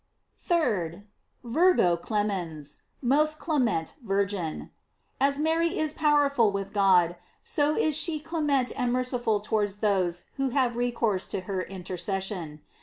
3d. "Virgo clemens:" Most clement Virgin. As Mary is powerful with God, so is she clement and merciful towards those who have recourse to her intercession.